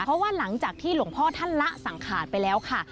เพราะว่าหลังจากที่หลวงพ่อท่านละสังขารไปแล้วค่ะ